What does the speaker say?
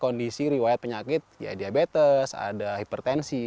karena memiliki kondisi riwayat penyakit ya diabetes ada hipertensi